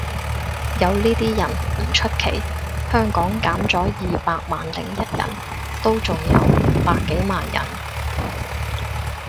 有呢啲人唔出奇，香港減咗二百萬零一人都仲有五百幾萬人